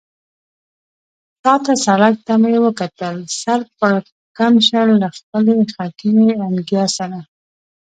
شا ته سړک ته مې وکتل، سر پړکمشر له خپلې خټینې انګیا سره.